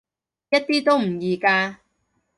一啲都唔易㗎